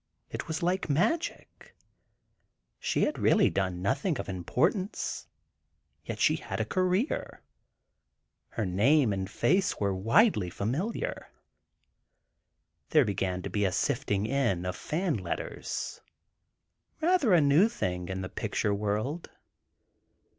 It was like magic. She had really done nothing of importance, yet she had a "career"—her name and face were widely familiar. There began to be a sifting in of "fan" letters—rather a new thing in the picture world.